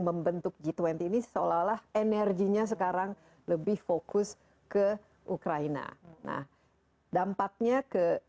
membentuk g dua puluh ini seolah olah energinya sekarang lebih fokus ke ukraina nah dampaknya ke